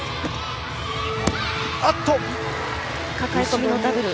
かかえ込みのダブル。